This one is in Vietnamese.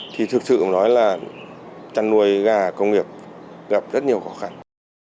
thì thực sự nói là chăn nuôi gà công nghiệp gặp rất nhiều khó khăn